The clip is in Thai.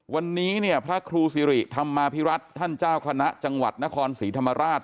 วันนี้เนี่ยพระครูสิริธรรมาภิรัตนท่านเจ้าคณะจังหวัดนครศรีธรรมราช